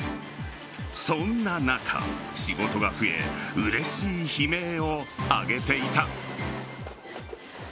そんな中、仕事が増えうれしい悲鳴を上げていた。